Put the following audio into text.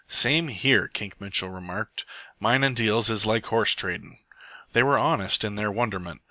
"Same here," Kink Mitchell remarked. "Minin' deals is like horse tradin'." They were honest in their wonderment.